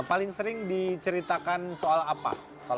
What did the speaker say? paling sering diceritakan soal apa